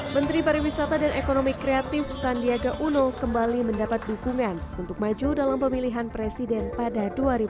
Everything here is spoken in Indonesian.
menteri pariwisata dan ekonomi kreatif sandiaga uno kembali mendapat dukungan untuk maju dalam pemilihan presiden pada dua ribu dua puluh